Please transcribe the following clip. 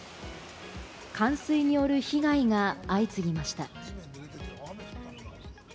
冠水による被害が相次ぎました。